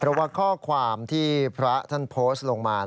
เพราะว่าข้อความที่พระท่านโพสต์ลงมา